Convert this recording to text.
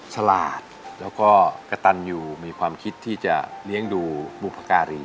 ฉลาดแล้วก็กระตันอยู่มีความคิดที่จะเลี้ยงดูบุพการี